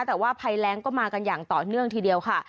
แต่ว่าภัยแรงก็มากันอย่างต่อเนื่องทีเดียวค่ะ